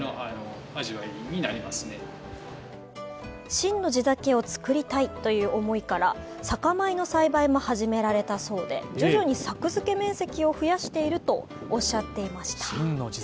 真の地酒を造りたいという思いから、酒米の栽培も始められたそうで、徐々に作付面積を増やしているとおっしゃっていました。